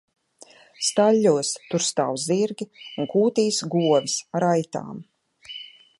Staļļos tur stāv zirgi un kūtīs govis ar aitām.